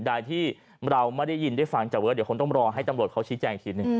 ใดที่เราไม่ได้ยินได้ฟังจากเวิร์คเดี๋ยวคงต้องรอให้ตำรวจเขาชี้แจงอีกทีหนึ่ง